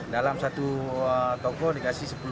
dalam satu toko dikasih sepuluh